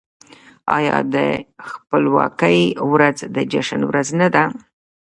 آیا د خپلواکۍ ورځ د جشن ورځ نه ده؟